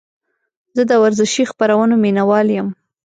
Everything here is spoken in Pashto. زه د ورزشي خپرونو مینهوال یم.